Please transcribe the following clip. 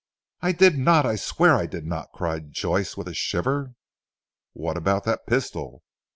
"I did not; I swear I did not," cried Joyce with a shiver. "What about that pistol?"